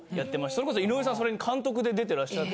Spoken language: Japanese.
それこそ井上さんそれに監督で出てらっしゃって。